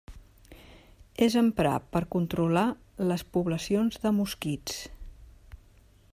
És emprar per controlar les poblacions de mosquits.